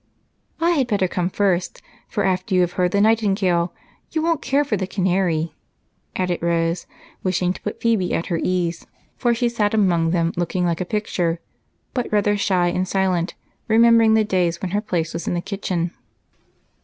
"I had better come first, for after you have heard the nightingale you won't care for the canary," added Rose, wishing to put Phebe at her ease, for she sat among them looking like a picture, but rather shy and silent, remembering the days when her place was in the kitchen.